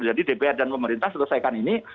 jadi dpr dan pemerintah selesaikan ini